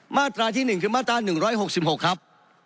มาตราที่๑คือมาตรา๑๖๖ครับ